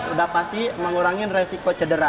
udah pasti mengurangi resiko cedera